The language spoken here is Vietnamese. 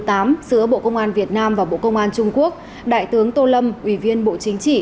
giữa bộ công an việt nam và bộ công an trung quốc đại tướng tô lâm ủy viên bộ chính trị